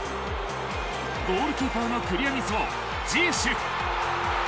ゴールキーパーのクリアミスをジエシュ。